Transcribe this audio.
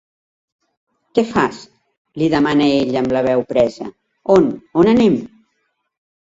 Què fas? —li demana ella, amb la veu presa— On, on anem?